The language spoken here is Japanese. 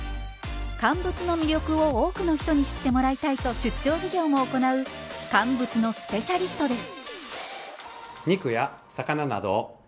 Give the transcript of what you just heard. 乾物の魅力を多くの人に知ってもらいたいと出張授業も行う乾物のスペシャリストです。